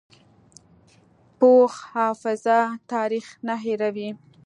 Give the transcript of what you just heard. پوخ حافظه تاریخ نه هېروي